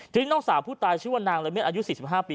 ทีนี้น้องสาวผู้ตายชื่อว่านางละเมียดอายุ๔๕ปี